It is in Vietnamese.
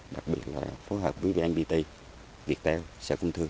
đặc biệt là phối hợp với vnpt việt nam sở công thương